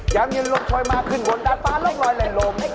ยามยืนลมช่วยมาขึ้นบนดาบฟ้าล้องรอยแหล่งลม